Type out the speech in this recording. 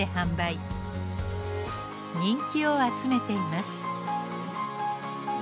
人気を集めています。